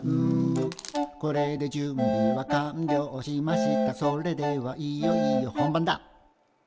「これで準備は完了しましたそれではいよいよ本番だ」